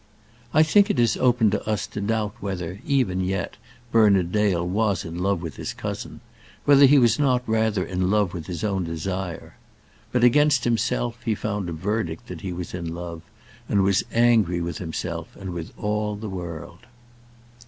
I think it is open to us to doubt whether, even yet, Bernard Dale was in love with his cousin; whether he was not rather in love with his own desire. But against himself he found a verdict that he was in love, and was angry with himself and with all the world.